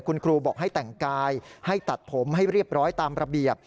คุณครูบอกให้แต่งกายให้ตัดผมให้เรียบร้อยตามระเบียบ